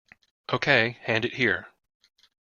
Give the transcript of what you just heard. Okay, hand it here.